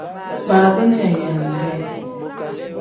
Faadini yaayande.